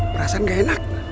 perasaan gak enak